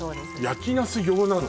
焼きナス用なの？